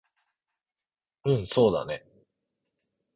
うんそうだね